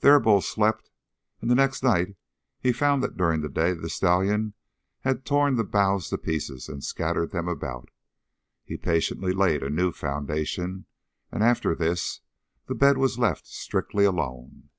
There Bull slept, and the next night he found that during the day the stallion had torn the boughs to pieces and scattered them about. He patiently laid a new foundation, and after this the bed was left strictly alone.